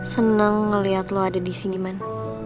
seneng ngeliat lu ada disini man